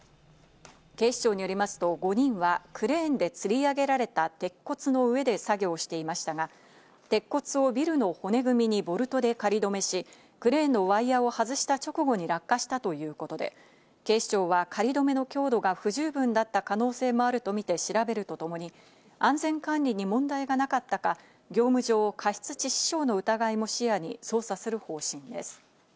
警視庁によりますと５人はクレーンでつり上げられた鉄骨の上で作業をしていましたが、鉄骨をビルの骨組みにボルトで仮止めし、クレーンのワイヤを外した直後に落下したということで、警視庁は仮止めの強度が不十分だった可能性もあるとみて調べるとともに、安全管理に問題がなかったか、業務上過失致死傷の疑いも視野に捜査する方針です。